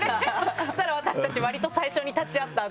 そしたら私たち割と最初に立ち会ったっつってね。